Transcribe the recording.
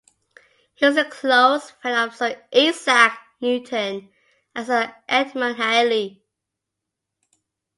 He was a close friend of Sir Isaac Newton and Sir Edmund Halley.